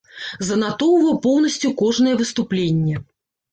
Занатоўваў поўнасцю кожнае выступленне.